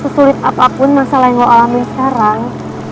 sesulit apapun masalah yang gue alami sekarang